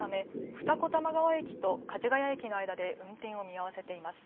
二子玉川駅と梶が谷駅の間で運転を見合わせています。